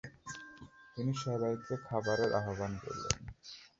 তিনি সবাইকে খাবারে আহবান করলেন।